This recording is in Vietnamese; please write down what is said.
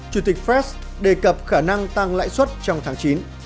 chủ tịch fres đề cập khả năng tăng lãi suất trong tháng chín